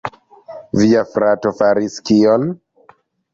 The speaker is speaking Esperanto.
"Via frato faris kion?"